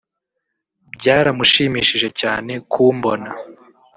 Byaramushimishije cyane kumbona